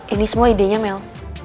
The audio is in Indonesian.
ini semua idenya mel